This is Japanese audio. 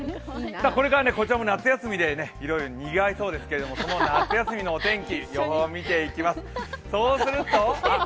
これからこちらも夏休みでいろいろにぎわいそうですけれどもその夏休みのお天気、予報を見ていきます。